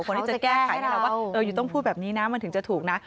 คนที่จะแก้ไขให้เราว่าอยู่ต้องพูดแบบนี้นะมันถึงจะถูกนะ